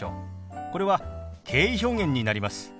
これは敬意表現になります。